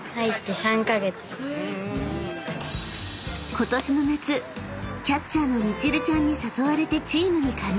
［ことしの夏キャッチャーのみちるちゃんに誘われてチームに加入］